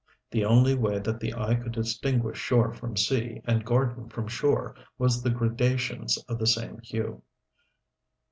The only way that the eye could distinguish shore from sea, and garden from shore, was the gradations of the same hue.